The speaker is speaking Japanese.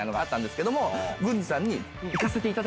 郡司さんに。